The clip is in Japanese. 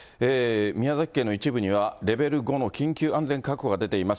宮崎県の一部にはレベル５の緊急安全確保が出ています。